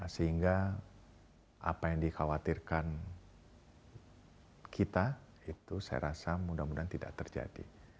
sehingga apa yang dikhawatirkan kita itu saya rasa mudah mudahan tidak terjadi